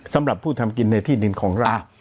สำหรับผู้ทำกินในที่ดินของเรา